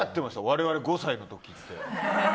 我々、５歳の時って。